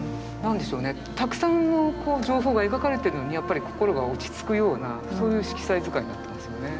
たくさん情報が描かれてるのにやっぱり心が落ち着くようなそういう色彩使いになってますよね。